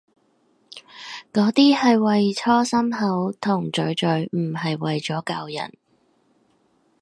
嗰啲係為搓心口同嘴嘴，唔係為咗救人